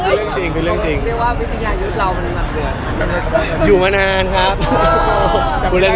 คุณเรียกว่าวิทยายุทธ์เราอยู่มาคือเหรอ